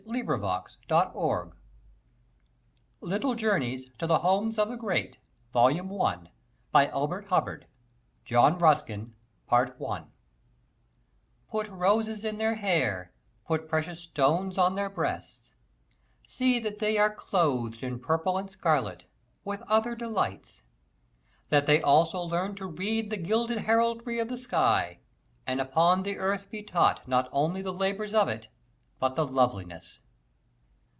Huh! you couldn't 'ire 'er to go inside. Why, don't you know? They say the 'ouse is 'aunted!" JOHN RUSKIN Put roses in their hair, put precious stones on their breasts; see that they are clothed in purple and scarlet, with other delights; that they also learn to read the gilded heraldry of the sky; and upon the earth be taught not only the labors of it but the loveliness.